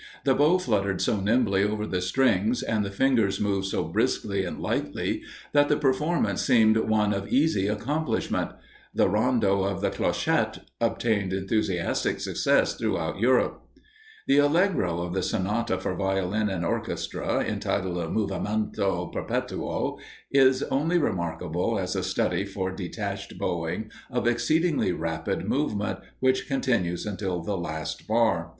The bow fluttered so nimbly over the strings, and the fingers moved so briskly and lightly, that the performance seemed one of easy accomplishment. The rondo of the "Clochette" obtained enthusiastic success throughout Europe. The allegro of the sonata for Violin and orchestra, entitled "Movimento perpetuo," is only remarkable as a study for detached bowing of exceedingly rapid movement, which continues until the last bar.